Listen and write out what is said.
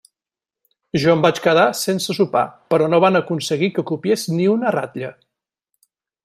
Jo em vaig quedar sense sopar, però no van aconseguir que copiés ni una ratlla.